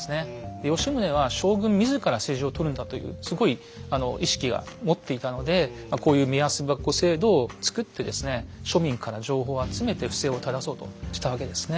で吉宗は将軍自ら政治をとるんだというすごい意識が持っていたのでこういう目安箱制度を作ってですね庶民から情報を集めて不正を正そうとしたわけですね。